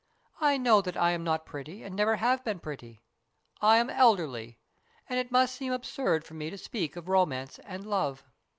I know that I am not pretty and never have been pretty. I am elderly, and it must seem absurd for me to speak of romance and love."